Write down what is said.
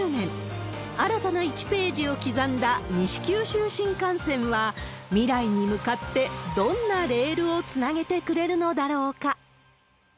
新たな１ページを刻んだ西九州新幹線は、未来に向かってどんなレールをつなげてくれるのだろうか。